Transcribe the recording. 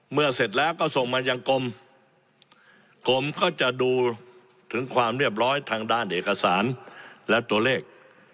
เสร็จแล้วก็ส่งมายังกรมก็จะดูถึงความเรียบร้อยทางด้านเอกสารและตัวเลข